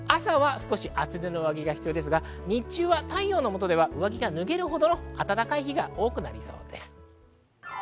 朝は少し厚手の上着が必要ですが、日中は太陽のもとでは上着が脱げるほど暖かい日が多くなりそうです。